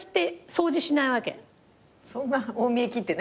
そんな大見え切ってね。